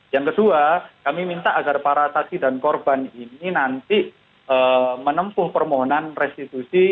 yang kedua kami minta agar para saksi dan korban ini nanti menempuh permohonan restitusi